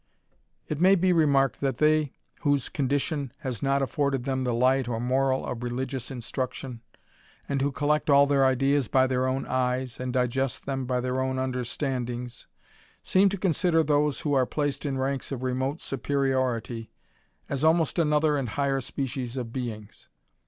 It may be remarked, that they whose condition has not afforded them the light or moral of religious instruction, and who collect all their ideas by their own eyes, and digest tfaem by their own understandings, seem to consider those who are placed in ranks of remote superiority, as almost another and higher species of beings.